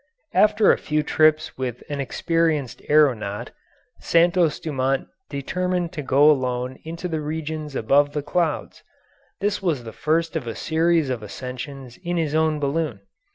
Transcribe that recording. After a few trips with an experienced aeronaut, Santos Dumont determined to go alone into the regions above the clouds. This was the first of a series of ascensions in his own balloon.